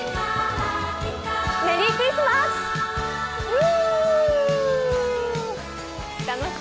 メリークリスマース！